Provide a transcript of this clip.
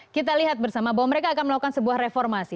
kita lihat bersama bahwa mereka akan melakukan sebuah reformasi